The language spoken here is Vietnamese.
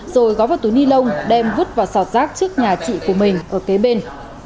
rồi gói vào túi ni lông đem vứt vào sọt rác trước nhà chị của mình ở kế bên